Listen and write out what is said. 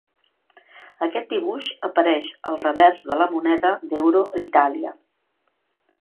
Aquest dibuix apareix al revers de la moneda d'euro d'Itàlia.